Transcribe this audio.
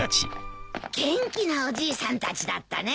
元気なおじいさんたちだったね。